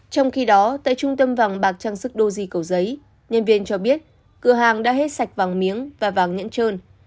trong khi đó tại trung tâm vàng bạc trang sức đô di cầu giấy nhân viên cho biết cửa hàng đã hết sạch vàng miếng và vàng nhẫn trơn